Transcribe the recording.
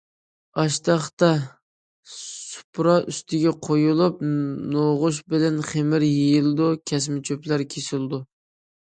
ئاشتاختا سۇپرا ئۈستىگە قويۇلۇپ، نوغۇچ بىلەن خېمىر يېيىلىدۇ، كەسمە چۆپلەر كېسىلىدۇ.